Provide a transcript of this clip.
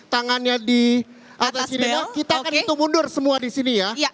tangannya di atas sirinenya kita akan mundur semua disini ya